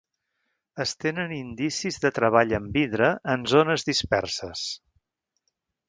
Es tenen indicis de treball amb vidre en zones disperses.